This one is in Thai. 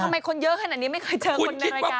ทำไมคนเยอะขนาดนี้ไม่เคยเจอคนในรายการที่เยอะขนาดนี้